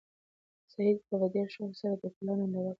سعید په ډېر شوق سره د کلا ننداره کوله.